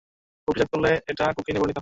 প্রক্রিয়াজাত করলে এটা কোকেইনে পরিণত হয়।